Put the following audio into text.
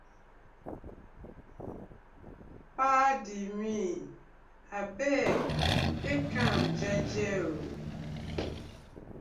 Paadi mi abeg tak am jeje ooo.